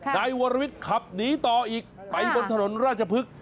นายวรวิทย์ขับหนีต่ออีกไปบนถนนราชพฤกษ์